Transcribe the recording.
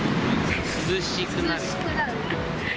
涼しくなる。